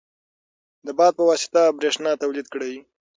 د باد په واسطه برېښنا تولید کړئ.